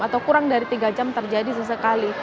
atau kurang dari tiga jam terjadi sesekali